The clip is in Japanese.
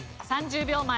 ３０秒前。